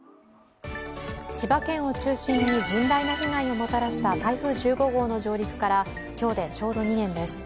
千葉県を中心に甚大な被害をもたらした台風１５号の上陸から今日でちょうど２年です。